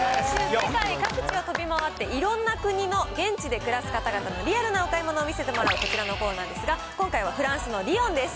世界各地を飛び回って、いろんな国の現地で暮らす方々のリアルなお買い物を見せてもらうこちらのコーナーですが、今回はフランスのリヨンです。